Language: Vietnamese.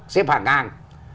xếp hàng hàng